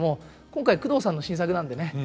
今回宮藤さんの新作なんでね